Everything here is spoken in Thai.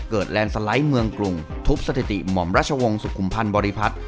แลนด์สไลด์เมืองกรุงทุบสถิติหม่อมราชวงศ์สุขุมพันธ์บริพัฒน์